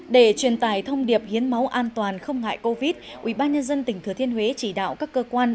để truyền tải thông điệp hiến máu an toàn không ngại covid ubnd tỉnh thừa thiên huế chỉ đạo các cơ quan